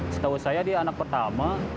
setahu saya dia anak pertama